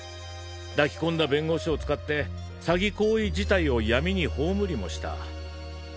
抱き込んだ弁護士を使って詐欺行為自体を闇に葬りもした。